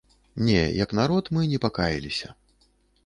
Не, як народ мы не пакаяліся.